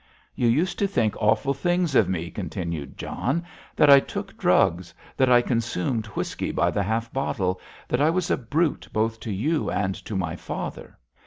"You used to think awful things of me," continued John, "that I took drugs, that I consumed whisky by the half bottle, that I was a brute both to you and to my old father."